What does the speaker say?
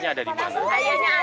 sudah berapa hari belum diketemukan